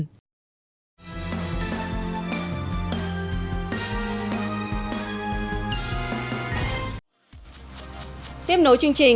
tiếp nối chương trình ứng dụng công nghệ di động